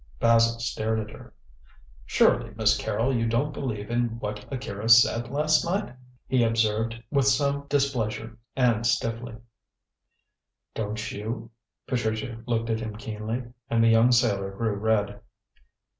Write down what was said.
Basil stared at her. "Surely, Miss Carrol, you don't believe in what Akira said last night?" he observed, with some displeasure and stiffly. "Don't you?" Patricia looked at him keenly, and the young sailor grew red.